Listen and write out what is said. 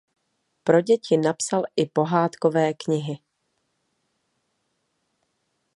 Pro děti napsal i pohádkové knihy.